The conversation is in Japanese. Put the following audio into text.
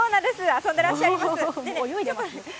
遊んでらっしゃいます。